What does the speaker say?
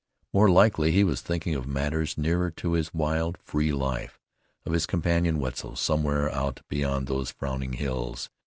More likely he was thinking of matters nearer to his wild, free life; of his companion Wetzel somewhere out beyond those frowning hills.